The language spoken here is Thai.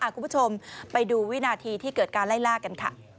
คุณผู้ชมไปดูวินาทีที่เกิดการไล่ล่ากันค่ะ